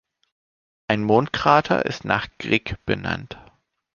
Ein Mondkrater ist nach Grigg benannt.